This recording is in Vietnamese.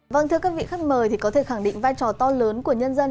vâng thưa các vị khách mời thì có thể khẳng định vai trò to lớn của nhân dân